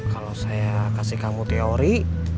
kalau saya kasih kamu teori